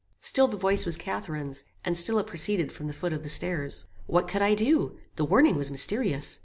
Still the voice was Catharine's, and still it proceeded from the foot of the stairs. "What could I do? The warning was mysterious.